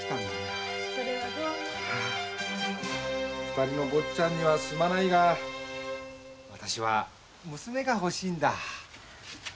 二人の坊ちゃんにはすまないが私は娘が欲しいんだ。